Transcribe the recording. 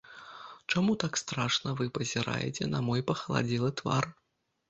Чаму так страшна вы пазіраеце на мой пахаладзелы твар?